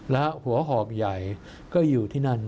แล้วหัวหอบใหญ่ก็อยู่ที่นั่น